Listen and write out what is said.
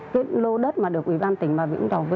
cái lô đất mà được ủy ban tỉnh bà vĩnh đầu